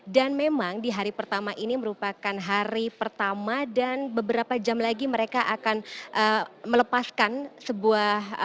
dan memang di hari pertama ini merupakan hari pertama dan beberapa jam lagi mereka akan melepaskan sebuah